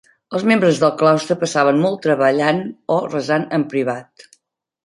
Els membres del claustre passaven molt treballant o resant en privat.